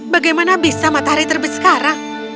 bagaimana bisa matahari terbit sekarang